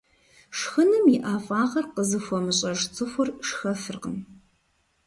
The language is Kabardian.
Шхыным и ӀэфӀагъыр къызыхуэмыщӀэж цӀыхур шхэфыркъым.